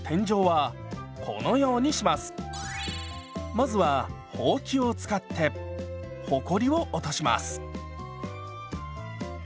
まずはほうきを使ってほこりを落とします。